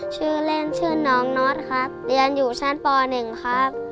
ชื่อเล่นชื่อน้องน็อตครับเรียนอยู่ชั้นป๑ครับ